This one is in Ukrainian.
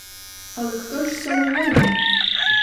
Але хто ж сьому винен?